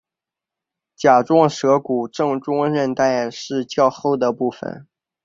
甲状舌骨正中韧带是较厚的部分。